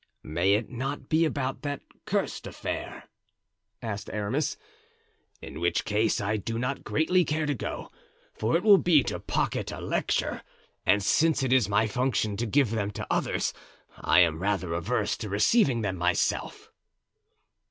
"May it not be about that cursed affair?" asked Aramis, "in which case I do not greatly care to go, for it will be to pocket a lecture; and since it is my function to give them to others I am rather averse to receiving them myself."